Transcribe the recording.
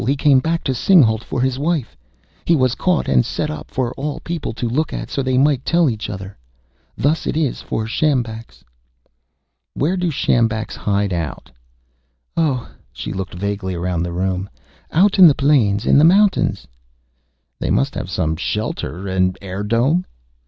He came back to Singhalût for his wife; he was caught and set up for all people to look at, so they might tell each other, 'thus it is for sjambaks.'" "Where do the sjambaks hide out?" "Oh," she looked vaguely around the room, "out on the plains. In the mountains." "They must have some shelter an air dome."